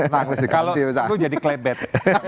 nah kalau itu jadi klebet